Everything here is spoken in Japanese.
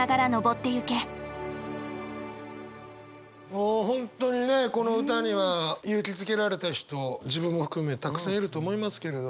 もう本当にねこの歌には勇気づけられた人自分も含めたくさんいると思いますけれど。